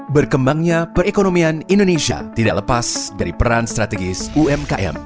berkembangnya perekonomian indonesia tidak lepas dari peran strategis umkm